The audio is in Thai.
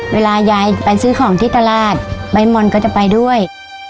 เวลายายไปซื้อของที่ตลาดใบมอนก็จะไปด้วย